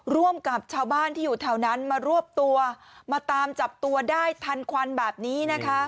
ร่วมกับชาวบ้านที่อยู่แถวนั้นมารวบตัวมาตามจับตัวได้ทันควันแบบนี้นะคะ